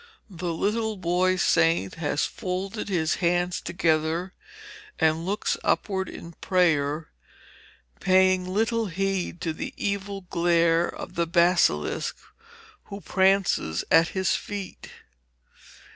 The little boy saint has folded his hands together, and looks upward in prayer, paying little heed to the evil glare of the basilisk, who prances at his feet.